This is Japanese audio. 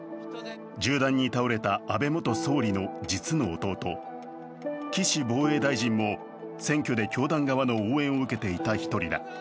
銃弾に倒れた安倍元総理の実の弟、岸防衛大臣も、選挙で教団側の応援を受けていた１人だ。